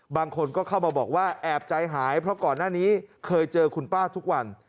บางคนก็เข้ามาบอกว่าแอบใจหายเพราะก่อนหน้านี้เคยเจอคุณป้าทุกวัน